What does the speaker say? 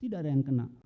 tidak ada yang kena